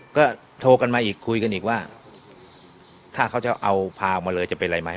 ก็โทรกันมาอีกคุยกันอีกว่าถ้าเขาจะเอาพาออกมาเลยจะเป็นอะไรไหม